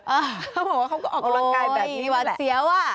เขาบอกว่าเขาก็ออกกำลังกายแบบนี้แหละโอ๊ยนี่แบบเสียว่ะ